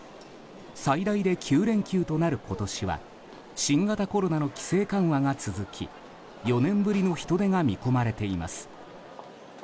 最大で９連休となる今年は新型コロナの規制緩和が続き４年ぶりの人出が見込まれています。